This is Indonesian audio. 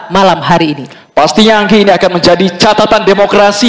malam hari ini pastinya angki ini akan menjadi catatan demokrasi